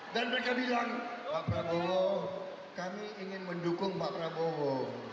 dan mereka bilang pak prabowo kami ingin mendukung pak prabowo